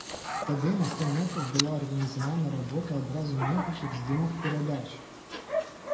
Тады на ста метрах была арганізавана работа адразу некалькіх здымак перадач.